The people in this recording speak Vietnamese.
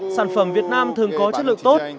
sản phẩm việt nam thường có chất lượng tốt